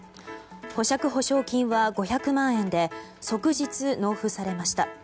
保釈保証金は５００万円で即日納付されました。